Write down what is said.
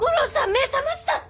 目覚ましたって！